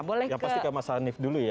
yang pasti ke mas hanif dulu ya